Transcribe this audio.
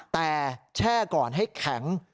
แต่แช่ก่อนให้แข็ง